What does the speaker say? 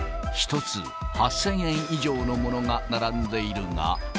１つ８０００円以上のものが並んでいるが。